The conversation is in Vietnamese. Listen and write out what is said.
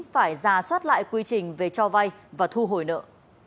phải ra soát lại quy trình về cho vay và thu hồi nợ